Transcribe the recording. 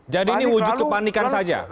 jadi ini wujud kepanikan saja